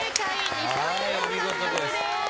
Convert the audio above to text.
２ポイント獲得です。